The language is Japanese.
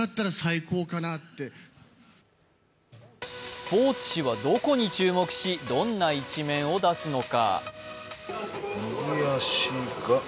スポーツ紙はどんな一面に注目し、どんな記事を出すのか。